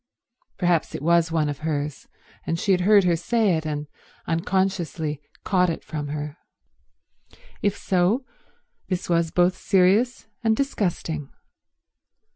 Perhaps it was one of hers, and she had heard her say it and unconsciously caught it from her. If so, this was both serious and disgusting.